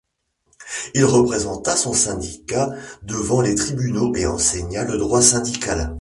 Il représenta son syndicat devant les tribunaux et enseigna le droit syndical.